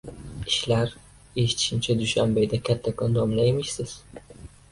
Ishlar?.. Eshitishimcha, Dushanbeda kattakon domla emishsiz…